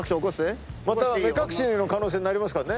また目隠しの可能性になるから。